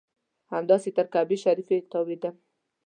همداسې تر کعبې شریفې تاوېدم.